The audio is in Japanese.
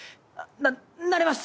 ななれます！